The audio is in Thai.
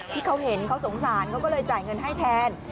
ที่เขาเห็นเขาสงสารเขาก็เลยจ่ายเงินให้แทน